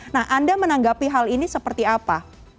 nah anda menanggapi hal ini seperti apa